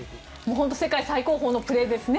本当世界最高峰のプレーですね。